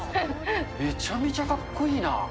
めちゃめちゃかっこいいな。